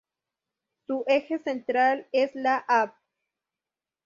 Su eje central es la Av.